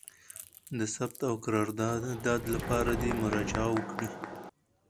د ثبت او قرارداد لپاره دي مراجعه وکړي: